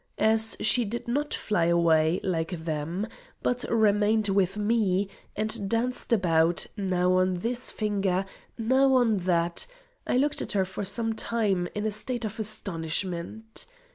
As she did not fly away, like them, but remained with me, and danced about, now on this finger, now on that, I looked at her for some time, in a state of astonishment.